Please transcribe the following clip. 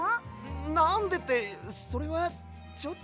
なんでってそれはちょっと。